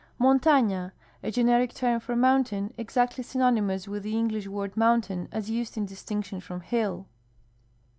Montana. — A generic term for mountain, exactly synonymous with the English word mountain as used in distinction from hill.